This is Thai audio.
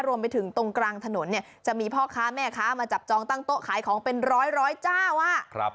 รวมไปถึงตรงกลางถนนเนี่ยจะมีพ่อค้าแม่ค้ามาจับจองตั้งโต๊ะขายของเป็นร้อยเจ้าอ่ะ